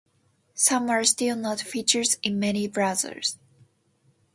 Some are still not features in many browsers.